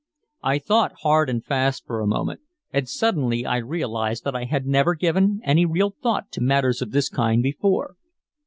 I thought hard and fast for a moment, and suddenly I realized that I had never given any real thought to matters of this kind before.